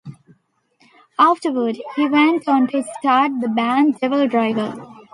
Afterward, he went on to start the band DevilDriver.